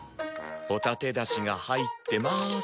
ホタテだしが入ってまーす。